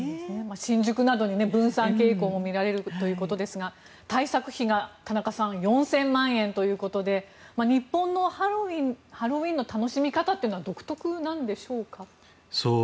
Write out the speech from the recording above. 新宿などに分散傾向も見られるということですが田中さん、対策費が４０００万円ということで日本のハロウィーンの楽しみ方というのは独特なんでしょうか。